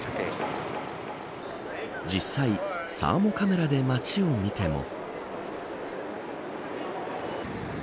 実際サーモカメラで街を見ても。